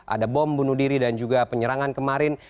ada bom bunuh diri dan juga penyerangan kemarin